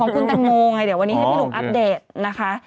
คุณแตงโมไงเดี๋ยววันนี้ให้พี่หนุ่มอัปเดตนะคะ